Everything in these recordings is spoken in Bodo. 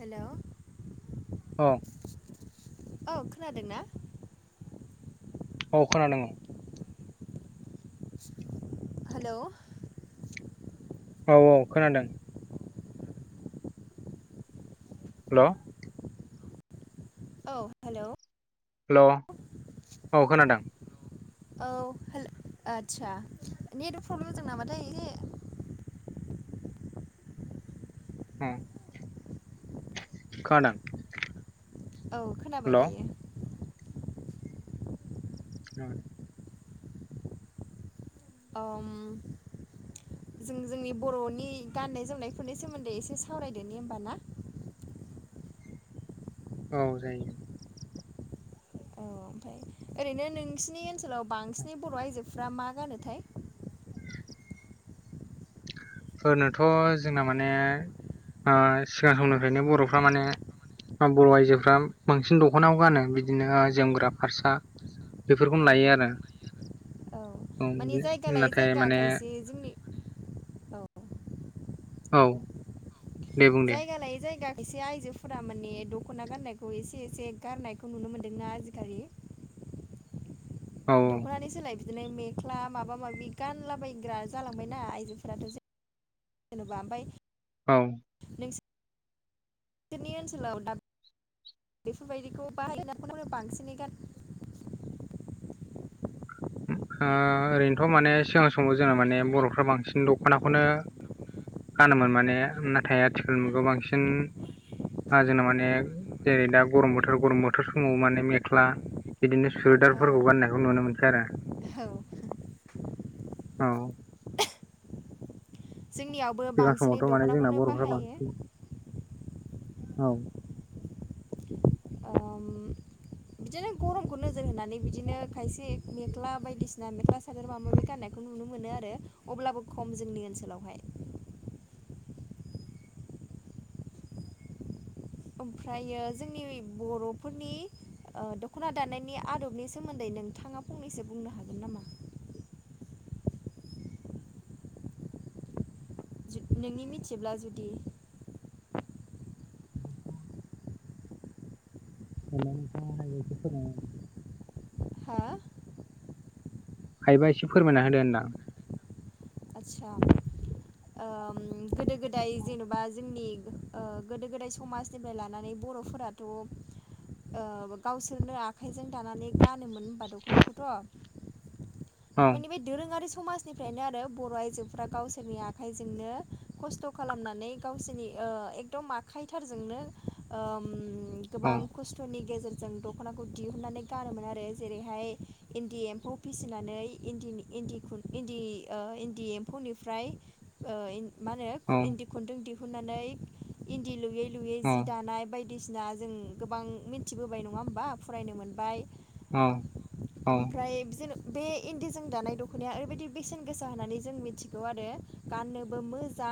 हेल' औ औ खोनादों ना? औ खोनादों। हेल' औ औ खोनादों। हेल' औ हेल' हेल' औ खोनादों औ हेल आदसा नेट प्रब्लेम जादों नामाथाय [inaudible] ओम खोनादों औ खोनाबाय हेल' औ दायो औ आम जों जोंनि बर'नि गाननाय जोमनायफोरनि सोमोन्दै एसे सावरायदोनि होमबा ना [inaudible] औ जायो औ ओमफ्राय ओरैनो नोंसिनि ओनसोलाव बांसिनै बर' आइजोफ्रा मा गानोथाय ओरैनोथ' जोंना माने सिगां समनिफ्रायनो बर'फ्रा माने बर' आइजोफ्रा बांसिन दख'नाखौ गानो बिदिनो जोमग्रा फारसा बेफोरखौनो औ लायो आरो औ मानि जायगा लायै नाथाय जायगा माने खायसे जोंनि औ औ दे बुं दे जायगा लायै जायगा एसे आइजोफोरा माने दख'ना गाननायखौ एसे एसे गारनायखौ नुनो मोन्दोंना आजिखालि [inaudible] औ दखनानि सोलाय बिदिनो मेख्ला माबा माबि गानलाबायग्रा जालांबायना आइजोफोराथ' जे जेनेबा ओमफ्राय औ नि ओनसोलाव दाब बेफोरबायदिखौ [unintelligible] बांसिनै गार [unintelligible] ओ ओरैनोथ' माने सिगां समाव जोङो माने बर'फ्रा बांसिन दख'नाखौनो गानोमोन माने नाथाय आथिखाल मुगायाव बांसिन ओ जोंना माने जेरै दा गरम बोथोर गरम बोथोर समाव माने मेख्ला बिदिनो औ सुवेदारफोरखौ गाननायखौ नुनो मोनसै आरो औ औ जोंनियावबो सिगां बांसिनै समावथ' माने जोंना दख'नाखौनो बर'फ्रा बाहायो बांसिन औ अम बिदिनो गरमखौ नोजोर होनानै बिदिनो खायसे मेख्ला बायदिसिना मेख्ला सादोर माबा माबि गाननाय खौ नुनो मोनो आरो अब्लाबो खम जोंनि ओनसोलावहाय ओमफ्रायो जोंनि बर'फोरनि ओ दख'ना दानायनि आदबनि सोमोन्दै नोंथां थाङा फंनैसो बुंनो हागोन नामा नोंनि मिथिब्ला जुदि हा [unintelligible] हायोबा एसे फोरमायना होदो होनदां आदसा गोदो गोदाय जेन'बा जोंनि ओ गोदो गोदाय समाजनिफ्राय लानानै बर'फोराथ' ओ गावसोरनो आखाइजों दानानै गानोमोन होमबा दख'नाखौथ' औ माने बे दोरोङारि समाजनिफ्रायनो आरो बर' आइजोफ्रा गावसोरनि आखाइजोंनो खस्थ' खालामनानै गावसोरनि ओ एकदम आखाइथारजोंनो औ गोबां खस्थ'नि गेजेर जों दख'नाखौ दिहुनन्नानै गानोमोन आरो जेरैहाय इन्दि एम्फौ फिसिनानै इन्दि इन्दि इन्दि ओ इन्दि ओ एम्फौनिफ्राय मा औ होनो इन्दि खुन्दुं दिहुननानै इन्दि लुयै लुयै औ जि दानाय बाय बायदिसिना जों गोबां मिथिबोबाय नङा होमबा फरायनो मोनबाय औ औ ओमफ्राय जेन बे इन्दिजों दानाय दख'नाया ओरैबायदि बेसेन गोसा होननानै जों मिथिगौ आरो गाननो। बो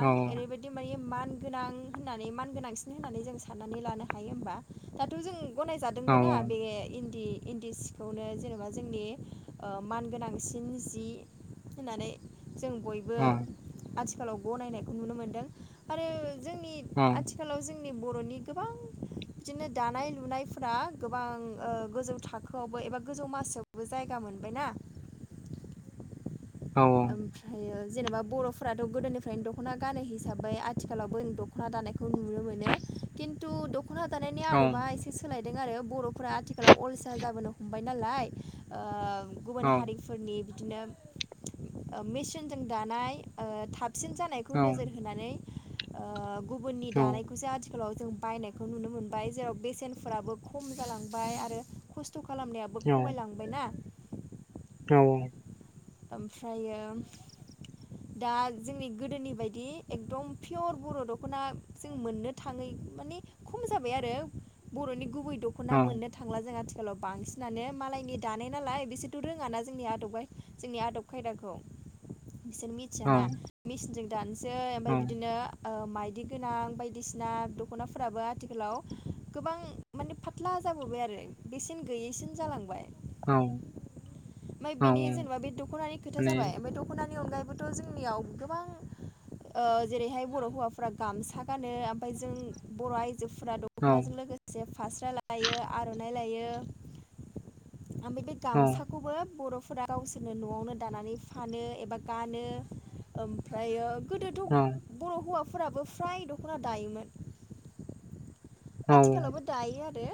औ ओरै बायदि माने मा न गोनां होननानै मान गोनांसिन होननानै जों साननानै लानो हायो होमबा दाथ' जों औ गनायजादोंबोनना बे इन्दि इन्दि सिखौनो जेनेबा जोंनि ओ मानगोनांसिन जि होननानै जों बयबो औ आथिखालाव गनायनायखौ नुनो मोन्दों आरो। जोंनि आथिखालाव जों जोंनि बर'नि गोबां बिदिनो दानाय लुनायफोरा गोबां गोजौ ओ थाखोआवबो एबा गोजौ मासियावबो जायगा मोनबायना औ ओमफ्रायो जेनेबा बर'फोराथ' गोदोनिफ्रायनो दख'ना गानो हिसाबै आथिखालावबो दख'ना दानायखौ खौ नुनो मोनो। खिन्थु दख'ना दानायनि आदबा एसे सोलायदों। आरो बर'फोरा आथिखालाव अल साहा जाबोनो हमबाय नालाय ओ गुबुन हारिफोरनि बिदिनो ओ मेचनजों दानाय सा बांसिन जानायखौ नोजोर होनानै गुबुननि दानायखौसो आ थिखालाव जों बायनायखौ नुनो मोनबाय जेराव बेसेनफोराबो खम जालांबाय आरो खस स्थ' खालामनायाबो खमायलांबाय ना। औ ओमफ्रायो दा जोंनि गोदोनि बायदि एकदम पियर बर' दख'ना जों मोननो थाङै मानि खम जाबाय आरो बर'नि गुबै दख'ना मोननो थांला जोंहा गोलाव बांसिनानो मालायनि दानाय नालाय बिसोरथ' रोङाना जोंनि आदबै जोंनि आदब खायदाखौ बिसोर मिथियाना मिसिनजों दानो बै ओमफ्राय औ बिदिनो माइ यदि गोनां बायदिसिना दख'नाफोराबो आथिखालाव गोबां माने फाथ्ला जाबोबाय आरो। बेसेन गैयैसिन जालांबाय। औ ओमफ्राय बेनि औ जेनेबा बे दख'नानि खोथा माने जाबाय ओमफ्राय दख'ना नि अनगायैबोथ' जोंनियाव गोबां ओ जेरैहाय बर' हौवाफोरा गामसा गानो ओमफ्राय जों बर' आइ जोफोरा औ औ दख'नाजों लोगोसे फास्रा लायो आर'नाइ लायो। ओमफ्राय बे गामसाखौबो बरफो- रा गावसोरनो न'आवनो दानानै फानो एबा गानो। ओमफ्रायो गोदोथ' बर' हौवाफोराबो फ्राय दख'ना दायोमोन। औ आथिखालावबो दायो आरो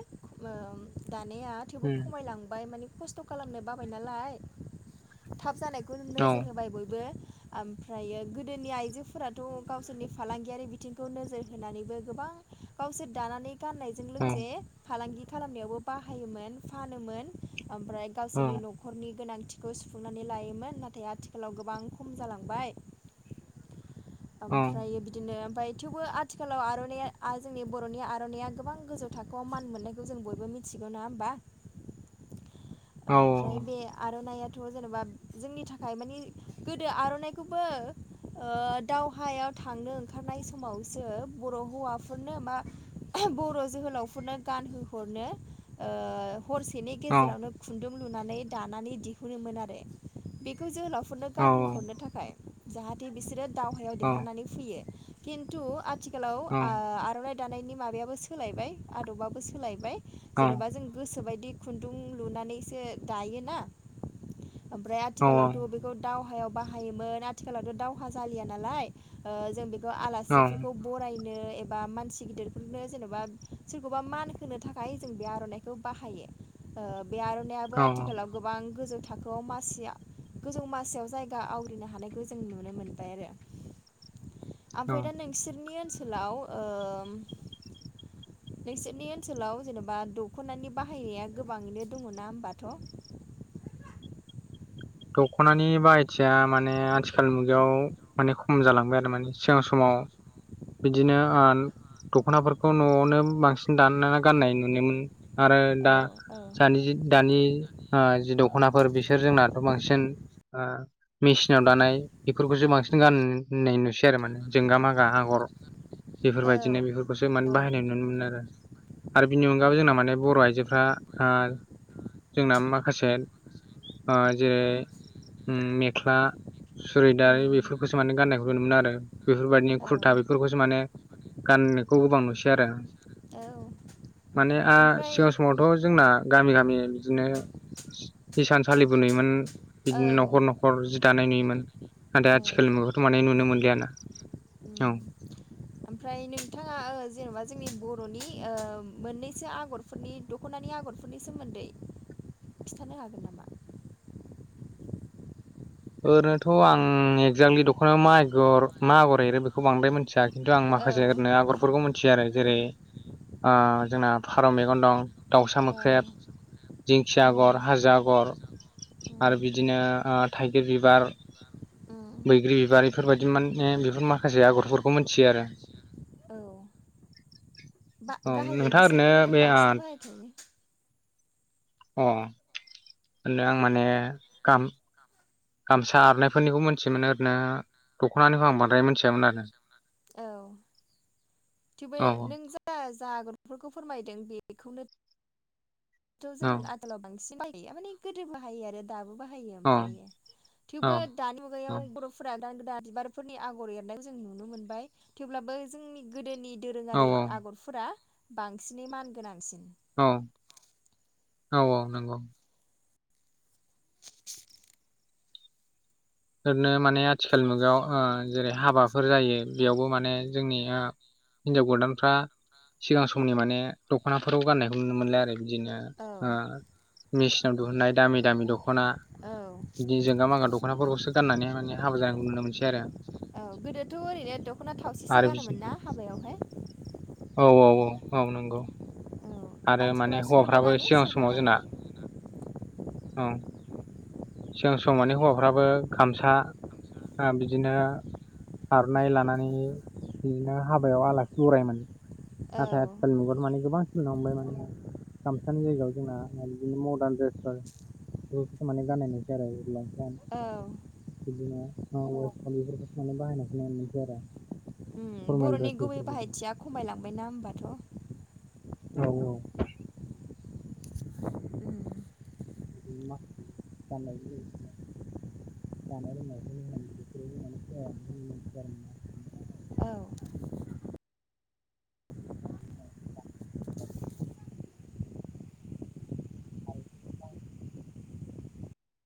ओम दानाया थेवबो खमायलां- बाय माने खस्थ' खालामनो बाबाय नालाय थाब जानायखौनो औ नोजोर होबाय बयबो ओमफ्रायो गोदोनि आइजोफोराथ' गावसोरनि फालांगियारि बिथिंखौ नोजोर होनानैबो गोबां गावसोर दानानै गाननायजों लोगोसे फालांगि खालामनायावबो बाहायोमोन फानोमोन। ओमफ्राय गावसोरनि न'खरनि गोनां- थिखौ सुफुंनानै लायोमोन नाथाय आथिखालाव गोबां खम जालांबाय। ओमफ्राय बिदिनो ओमफ्राय थेवबो आथिखालाव आर'नाइया जोंनि बर'नि आर'नायइया गोबां गोजौ थाखोआव मान मोननायखौ जों बयबो मिथि- गौ नङा होमबा। ओमफाय बे आरनाइया थ' जेनेबा जोंनि थाखाय मानि गोदो आर'नाइखौबो ओ दावहायाव थांनो ओंखारनाय समावसो बर' हौवाफोरनो मा बर' जोहो- लावफोरनो गानहोहरनो- हरसेनि गेजेरावनो खुन्दुं लुनानै दानानै दिहुनोमोन आरो बेखौ जोहोलाव - फोरनो गानहोहरनो थाखाय जाहाथे बिसोरो दावहायाव देरहानानै फैयो। खिन्थु आथिखालाव ओ आर'नाइ दानायनि माबायाबो सोलायबाय आदबाबो सोलायबाय‌। जेनेबा जों गोसोबायदि खुन्दुं लुनानैसो दायोना ओमफ्राय आथिखालावथ' बेखौ दावहायाव बाहायोमोन आथिखालावथ' दावहा जालिया नालाय ओ जों बेखौ आलासिफोरखौ बरायनो एबा मानसि गिदिरफोरनो जेन'बा सोरखौबा मान होनो थाखाय जों बे आर'नाइखौ बाहायो। ओ बे आर'नायइाबो आथिखालाव गोबां गोजौ थाखोआव मासिया गोजौ मासियाव जायगा आवग्रिनो हानायखौ जों नुनो मोन- बाय‌ आरो। ओमफाय दा नोंसोरनि ओनसो- लाव ओ नोंसोरनि ओनसोलाव जेनेबा दख'नानि बाहायनाया गोबाङैनो दङ' ना होमबाथ' [inaudible] दखनानि बाहायथिया माने आथिखाल मुगायाव माने खम जालांबाय आरो माने सिगां समाव बिदिनो ओ दख'नाफोरखौ न'आवनो बांसिन दाननानै गाननाय नुनो मोनोमोन आरो औ दा सानि दानि ओ जि दख'नाफोर बिसोर जोंनाथ' बांसिन ओ मेसिनाव दानाय बेफोरखौसो बांसिन गाननाय नुसै आरो माने जोंगा मागा आगर औ बेफोरबायदिनो बेफोरखौसो माने औ बाहायनाय नुनो मोनो आरो बिनि अनगाबो जोंना माने बर' आइजो फ्रा ओ जोंना माखासे ओ जेरै उम मेख्ला सुरिदारि उम बेफोरखौसो माने गाननायखौ नुनो मोनो आरो बेफोरबायदिनो औ खुरथा बे बेफोरखौसो माने गाननायखौ गोबां नुसै आरो माने आ ओमफ्राय सिगां समावथ' जोंना गामि गामि बिदिनो हिसान सलिबो नुयोमोन औ बिदिनो न'खर न'खर जि दानाय नुयोमोन नाथाय उम आथिखाल मुगायावथ' माने नुनो मोनलियाना औ ओमफ्राय नोंथाङा जेन'बा जोंनि बर'नि ओ मोननैसो आगरफोरनि दख'नानि आगर ननि सोमोन्दै खिन्थानो हागोन नामा ओरैनोथ' आं एक्जाक्टलि दख'नायाव माइगर मा आगर एरो बेखौ बांद्राय मिथिया खिन्थु आं औ माखसे ओरै आगरफोरखौ मोन मोनथियो आरो जेरै जोंना फारौ मेगन दं दाउसा मोख्रेब दिंखिया उम आगर हाजो आगर उम आरो बिदिनो ओह थाइगिर बिबार उम बैग्रि बिबार बेफोरबायदि माने बेफोर माखासे आगरफोरखौ मिथियो आरो औ गा औ गाहायै नोंथाङा ओरैनो बिसोरखौनोथ' बे अ बांसिन बाहाय अ आं माने गाम गामसा आरनायफोरनिखौ मोनथियोमोन ओरैनो दख'नानिखौ आं बांद्राय मिथियामोन आरो औ थेवबो औ नों जा जा आगरफोरखौ फोरमायदों बेखौनो खौ जों औ आगैलाव बांसिन बाहायो माने गोदो बाहायो आरो दाबो बाहायो औ ओमफ्रायो औ थेवबो दानि औ मुगायाव बर'फोरा गोदान गोदान बिबारफोरनि आगर एरनायाव जों नुनो मोनबाय थेवब्लाबो जोंनि गोदोनि औ दोरोङारि आगरफोरा बांसिनै मान गोनांसिन औ औ औ नंगौ फोरनो माने आथिखाल मुगायाव जेरै हाबाफोर जायो बेयावबो माने जोंनि हिनजाव गोदानफ्रा सिगां समनि माने दख'नाफोराव गाननायखौ नुनो मोनलाय आरोखि बिदिनो औ ओ मेसिनाव दिहुननाय दामि दामि दख'ना औ बिदि जोंगा मागा दख'नाफोरखौसो गाननानै माने हाबा जानायखौ नुनो मोनसै आरो औ गोदोथ' ओरैनो दख'ना थावसिसो आरो बिदि गानोमोन ना हाबायावहाय औ औ औ औ नंगौ औ आरो माने आथिखालाव सोरबा हौवाफ्राबो गानो सिगां सोरबा समाव गाना जोंना औ सिगां समाव माने हौवाफ्राबो गामसा बिदिनो आर'नाय लानानै बिदिनो हाबायाव आलासि बरायोमोन औ नाथाय आथिखालनि मुगायाव मानि गोबां हबाय माने गामसानि जायगायाव जोंना बिदिनो मदार्न ड्रेसफोर बेफोरखौ माने गाननाय नुसै आरो लंपेन्ट औ बिदिनो बेफोरखौसो माने बाहायनायखौ नुनो मोनसै आरो उम फरमेल बर'नि ड्रेस गुबै बेफोरखौसो बाहायथिया खमायलांबायना होमबाथ' औ औ उम [unintelligible] जानाय लोंनायफोरखौनो होन बेफोरबो माने [unintelligible] औ [inaudible] [inaudible]